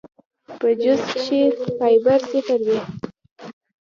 پۀ جوس کښې فائبر صفر وي